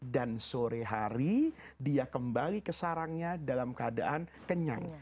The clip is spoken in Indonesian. dan sore hari dia kembali ke sarangnya dalam keadaan kenyang